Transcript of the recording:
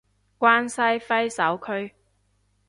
關西揮手區